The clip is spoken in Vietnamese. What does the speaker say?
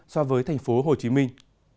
so với thành phố hồ chí minh